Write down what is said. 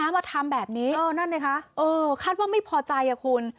มาทำแบบนี้คัดว่าไม่พอใจคุณนะครับ